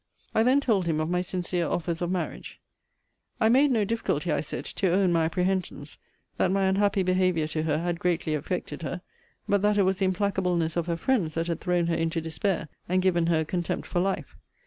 I then told him of my sincere offers of marriage: 'I made no difficulty, I said, to own my apprehensions, that my unhappy behaviour to her had greatly affected her: but that it was the implacableness of her friends that had thrown her into despair, and given her a contempt for life.'